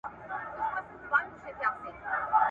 قدر کېمیا دی په دې دیار کي `